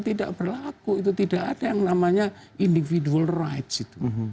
tidak berlaku itu tidak ada yang namanya individual rights itu